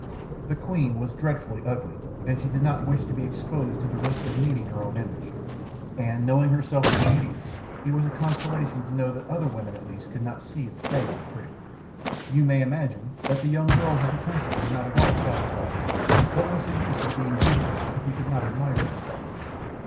The queen was dreadfully ugly, and she did not wish to be exposed to the risk of meeting her own image; and, knowing herself to be hideous, it was a consolation to know that other women at least could not see that they were pretty. You may imagine that the young girls of the country were not at all satisfied. What was the use of being beautiful if you could not admire yourself?